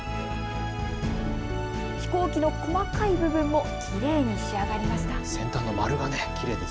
飛行機の細かい部分もきれいに仕上がりました。